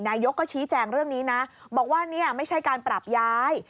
นายกก็ชี้แจงเรื่องนี้นะบอกว่าเนี่ยไม่ใช่การปรับย้าย